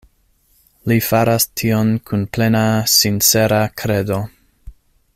Li faras tion kun plena sincera kredo.